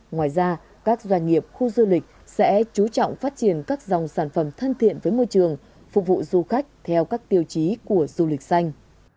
ngoài ra các doanh nghiệp khu du lịch sẽ chú trọng phát triển các dòng sản phẩm thân thiện với môi trường phục vụ du khách theo các tiêu chí của du lịch xanh